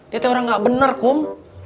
dia orang nggak benar kom